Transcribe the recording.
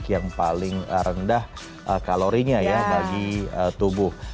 yang paling rendah kalorinya ya bagi tubuh